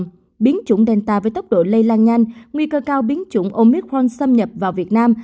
tuy nhiên biến chủng delta với tốc độ lây lan nhanh nguy cơ cao biến chủng omicron xâm nhập vào việt nam